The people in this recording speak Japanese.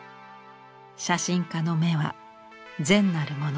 写真家の目は善なるもの